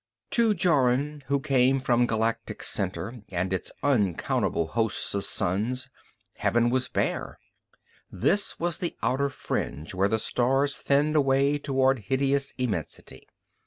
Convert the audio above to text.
To Jorun, who came from Galactic center and its uncountable hosts of suns, heaven was bare, this was the outer fringe where the stars thinned away toward hideous immensity.